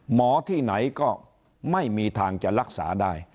หมอที่ไหนก็ไม่มีทางจะรักษาได้